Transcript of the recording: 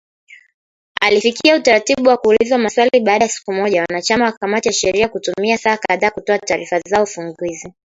alifikia utaratibu wa kuulizwa maswali baada ya siku moja wanachama wa kamati ya sheria kutumia saa kadhaa kutoa taarifa zao ufunguzi